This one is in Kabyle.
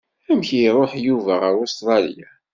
Amek i iruḥ Yuba ɣer Ustralya?